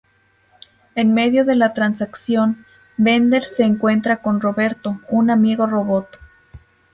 En medio de la transacción, Bender se encuentra con Roberto, un amigo robot.